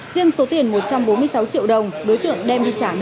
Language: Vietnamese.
riêng số tiền một trăm bốn mươi sáu triệu đồng đối tượng đem đi trả nợ